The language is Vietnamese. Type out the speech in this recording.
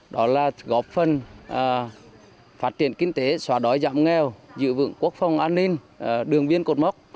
đó là góp phần phát triển kinh tế xóa đói giảm nghèo dự vựng quốc phòng an ninh đường viên cột mốc